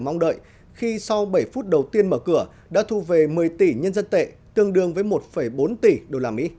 mong đợi khi sau bảy phút đầu tiên mở cửa đã thu về một mươi tỷ nhân dân tệ tương đương với một bốn tỷ usd